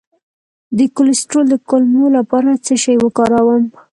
د کولیسټرول د کمولو لپاره څه شی وکاروم؟